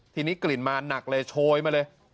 ทีนี้กลิ่นมาหนักเลยโชยมาเลย